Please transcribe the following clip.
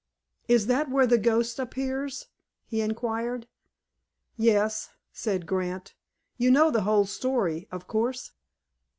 "Is that where the ghost appears!" he inquired. "Yes," said Grant. "You know the whole story, of course?"